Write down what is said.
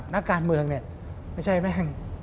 นักการเมืองเนี่ยไม่ใช่แม่ง